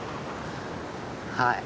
はい